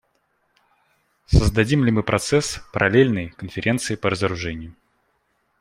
Создадим ли мы процесс, параллельный Конференции по разоружению?